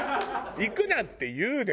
「行くな！」って言う？